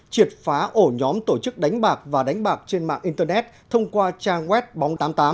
triệt phá ổ nhóm tổ chức đánh bạc và đánh bạc trên mạng internet thông qua trang web bóng tám mươi tám